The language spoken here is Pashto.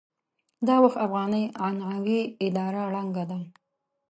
دا وخت افغاني عنعنوي اداره ړنګه ده.